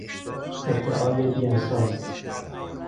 ادعای بیاساس